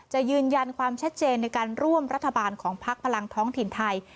ยืนยันความชัดเจนในการร่วมรัฐบาลของพักพลังท้องถิ่นไทย